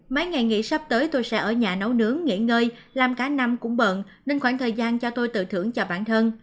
mấy ngày nghỉ sắp tới tôi sẽ ở nhà nấu nướng nghỉ ngơi làm cả năm cũng bận nên khoảng thời gian cho tôi tự thưởng cho bản thân